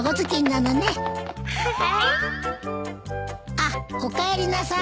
あっおかえりなさい。